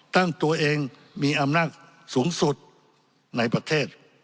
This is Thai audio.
ตั้งตัวเองมีอำนาจสูงสุดในประเทศ